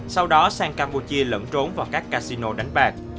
sau đó sang campuchia lẫn trốn vào các casino đánh bạc